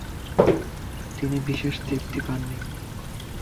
তিনি বিশেষ তৃপ্তি পাননি।